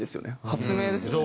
発明ですよね。